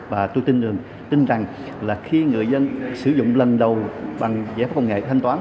và tôi tin rằng là khi người dân sử dụng lần đầu bằng giải pháp công nghệ thanh toán